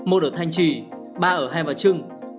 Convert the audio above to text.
một ở thanh trì ba ở hèm và trưng